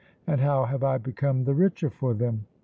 and how have I become the richer for them?